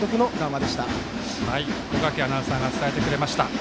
小掛アナウンサーが伝えてくれました。